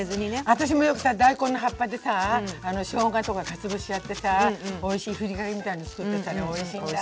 私もよくさ大根の葉っぱでさしょうがとかかつ節やってさおいしいふりかけみたいの作ってさあれおいしいんだ。